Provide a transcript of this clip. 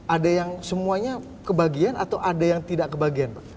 ada yang semuanya kebagian atau ada yang tidak kebagian pak